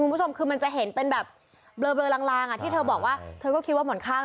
คุณผู้ชมคือมันจะเห็นเป็นแบบเบลอลางอ่ะที่เธอบอกว่าเธอก็คิดว่าเหมือนข้าง